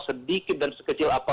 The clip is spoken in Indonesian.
sedikit dan sekecil apapun